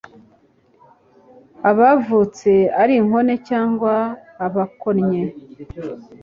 abavutse ari inkone cyangwa abakonwe